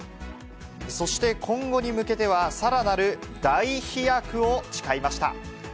そして今後に向けては、さらなる大飛躍を誓いました。